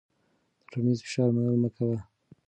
د ټولنیز فشار منل مه کوه.